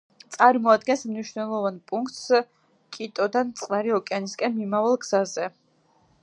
წარმოადგენს მნიშვნელოვან პუნქტს კიტოდან წყნარი ოკეანისკენ მიმავალ გზაზე.